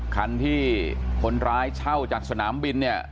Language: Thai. คันที่คนร้ายเช่าจากสนามบินเนี่ย